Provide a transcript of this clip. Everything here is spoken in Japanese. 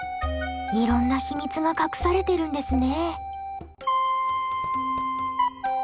いろんな秘密が隠されてるんですね。